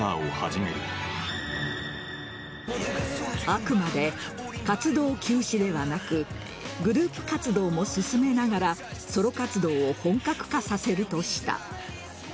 あくまで、活動休止ではなくグループ活動も進めながらソロ活動を本格化させるとした。